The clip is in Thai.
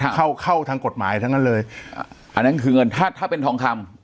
เข้าเข้าทางกฎหมายทั้งนั้นเลยอันนั้นคือเงินถ้าถ้าเป็นทองคำ